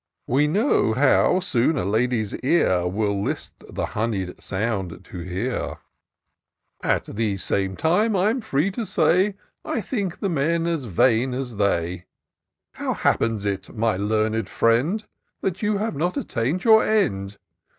We know how soon a lady's ear Will list the honey 'd sound to hear : IN SEAECH OF THE PICTURESQUE. 165 At the same time, I'm free to say I think the men as vain as they. How happens it, my learned friend, That you have not attain'd your end?